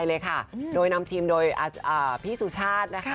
เลยค่ะโดยนำทีมโดยพี่สุชาตินะคะ